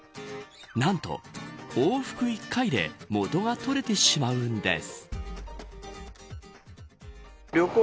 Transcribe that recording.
何と、往復１回で元が取れてしまうんです。